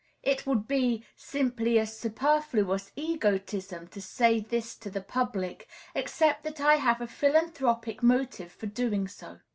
It would be simply a superfluous egotism to say this to the public, except that I have a philanthropic motive for doing so.